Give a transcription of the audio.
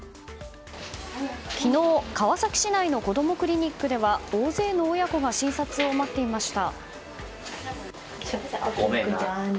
昨日、川崎市内の子供クリニックでは大勢の親子が診察を待っていました。